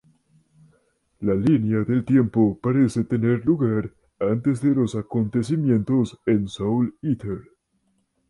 La línea del tiempo parece tener lugar antes de los acontecimientos en Soul Eater.